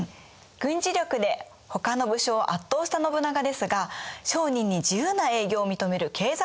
軍事力でほかの武将を圧倒した信長ですが商人に自由な営業を認める経済政策も行っています。